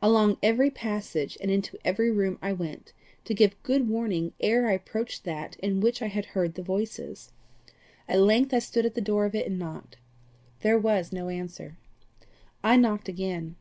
Along every passage and into every room I went, to give good warning ere I approached that in which I had heard the voices. At length I stood at the door of it and knocked. There was no answer. I knocked again.